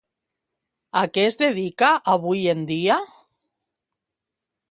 A què es dedica avui en dia?